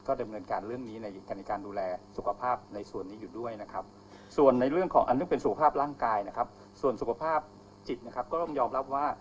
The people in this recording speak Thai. ก็จะเงินการเรื่องนี้ในการดูแลสุขภาพในส่วนนี้อยู่ด้วยนะครับ